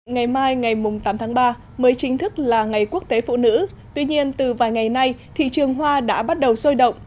ngày mai ngày tám tháng ba mới chính thức là ngày quốc tế phụ nữ tuy nhiên từ vài ngày nay thị trường hoa đã bắt đầu sôi động